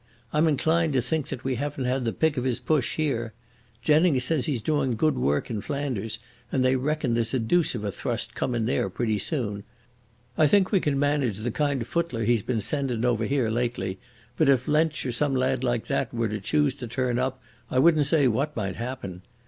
I'm inclined to think we haven't had the pick of his push here. Jennings says he's doin' good work in Flanders, and they reckon there's the deuce of a thrust comin' there pretty soon. I think we can manage the kind of footler he's been sendin' over here lately, but if Lensch or some lad like that were to choose to turn up I wouldn't say what might happen.